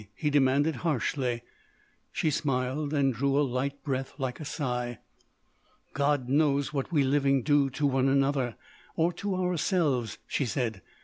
he demanded harshly. She smiled and drew a light breath like a sigh. "God knows what we living do to one another,—or to ourselves," she said.